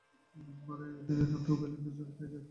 মানে, ড্যানি নামটা উভয় লিঙ্গের সাথেই যায়।